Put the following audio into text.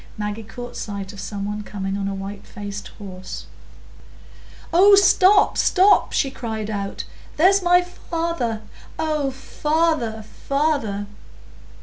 Maggie caught sight of some one coming on a white faced horse. "Oh, stop, stop!" she cried out. "There's my father! Oh, father, father!"